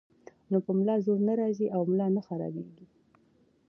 نو پۀ ملا زور نۀ راځي او ملا نۀ خرابيږي -